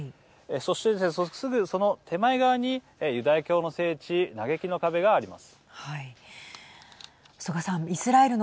そのすぐ手前側にユダヤ教の聖地嘆きの壁があります。